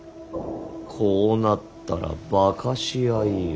こうなったら化かし合いよ。